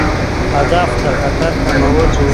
هدف د خطر کمول وو.